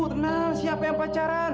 tenang siapa yang pacaran